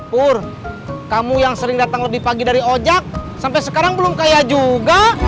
pur kamu yang sering datang lebih pagi dari ojek sampai sekarang belum kaya juga